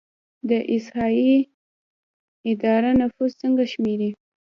د احصایې اداره نفوس څنګه شمیري؟